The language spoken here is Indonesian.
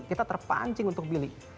kita terpancing untuk beli